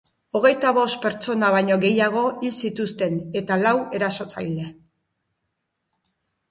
Hogeita bost pertsona baino gehiago hil zituzten eta lau erasotzaile.